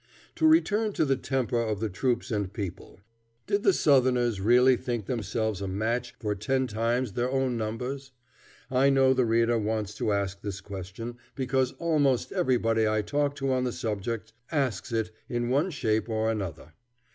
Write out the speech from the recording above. To return to the temper of the troops and people. Did the Southerners really think themselves a match for ten times their own numbers? I know the reader wants to ask this question, because almost everybody I talk to on the subject asks it in one shape or another.